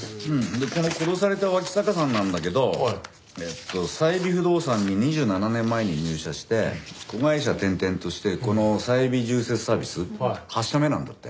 でこの殺された脇坂さんなんだけどえっと最美不動産に２７年前に入社して子会社転々としてこのサイビ住設サービス８社目なんだって。